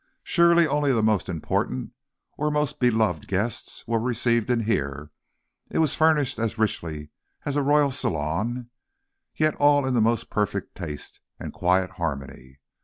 Surely, only the most important or most beloved guests were received in here. It was furnished as richly as a royal salon, yet all in most perfect taste and quiet harmony.